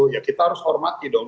ya kita harus hormati dong